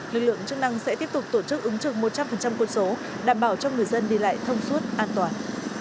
lực lượng chức năng sẽ tiếp tục tổ chức ứng trực một trăm linh quân số đảm bảo cho người dân đi lại thông suốt an toàn